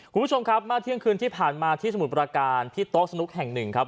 คุณผู้ชมครับเมื่อเที่ยงคืนที่ผ่านมาที่สมุทรประการที่โต๊ะสนุกแห่งหนึ่งครับ